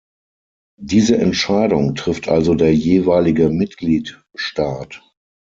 Diese Entscheidung trifft also der jeweilige Mitgliedstaat.